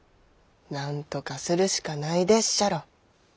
なんとかするしかないでっしゃろ。